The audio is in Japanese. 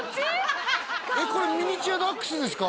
ハハハハえっこれミニチュアダックスですか？